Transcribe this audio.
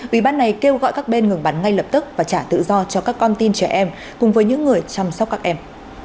ủy ban này kêu gọi các bên ngừng bắn ngay lập tức và trả tự do cho các con tin trẻ em cùng với những người chăm sóc các em